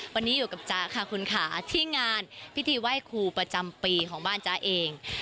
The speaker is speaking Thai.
วันนี้อยู่กับจ๊ะค่ะคุณค่ะที่งานพิธีไหว้ครูประจำปีของบ้านจ๊ะเอง